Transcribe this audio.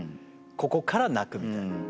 ここから泣くみたいな